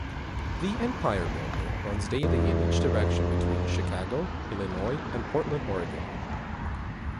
The "Empire Builder"runs daily in each direction between Chicago, Illinois and Portland, Oregon.